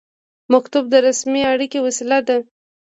مکتوب د رسمي اړیکې وسیله ده